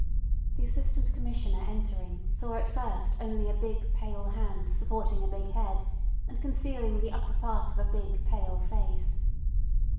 The Assistant Commissioner entering saw at first only a big pale hand supporting a big head, and concealing the upper part of a big pale face.